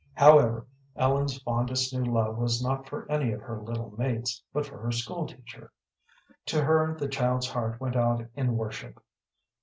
However, Ellen's fondest new love was not for any of her little mates, but for her school teacher. To her the child's heart went out in worship.